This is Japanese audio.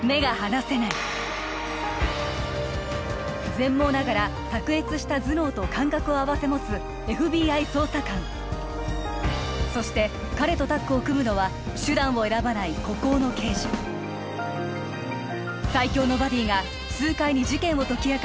全盲ながら卓越した頭脳と感覚を併せ持つＦＢＩ捜査官そして彼とタッグを組むのは最強のバディが痛快に事件を解き明かす